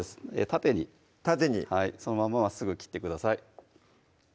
縦に縦にそのまままっすぐ切ってください